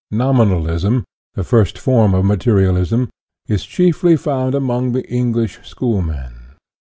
Nominalism, the first form of materialism, is chiefly found among the English schoolmen.